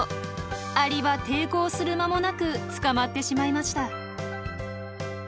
アリは抵抗する間もなく捕まってしまいました。